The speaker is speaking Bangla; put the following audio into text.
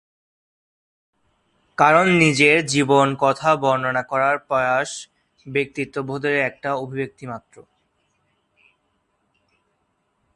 কারণ নিজের জীবনকথা বর্ণনা করার প্রয়াস ব্যক্তিত্ববোধের একটা অভিব্যক্তি মাত্র।